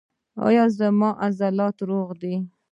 ایا زما عضلات روغ دي؟